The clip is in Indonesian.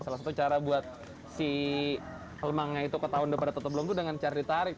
salah satu cara buat si lemangnya itu ketahuan daripada tetap belum itu dengan cara ditarik